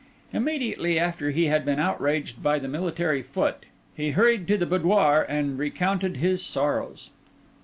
Immediately after he had been outraged by the military foot, he hurried to the boudoir and recounted his sorrows.